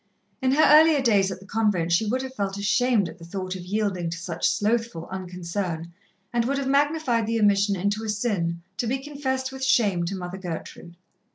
In her earlier days at the convent she would have felt ashamed at the thought of yielding to such slothful unconcern, and would have magnified the omission into a sin, to be confessed with shame to Mother Gertrude.